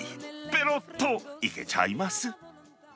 ぺろっといけちゃいます。